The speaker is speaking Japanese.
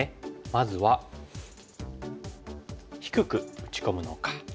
まずは低く打ち込むのか。